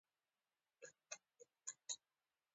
ازادي راډیو د بانکي نظام په اړه د قانوني اصلاحاتو خبر ورکړی.